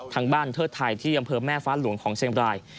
ทางบ้านเทิร์ดไทยที่ดำเคิบแม่ฟ้ารุงของเซงบราย